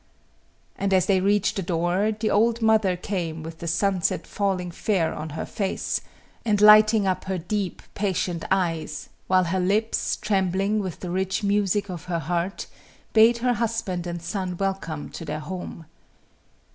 And as they reached the door the old mother came with the sunset falling fair on her face, and lighting up her deep, patient eyes, while her lips, trembling with the rich music of her heart, bade her husband and son welcome to their home.